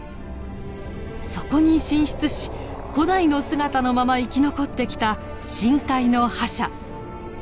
そこに進出し古代の姿のまま生き残ってきた深海の覇者。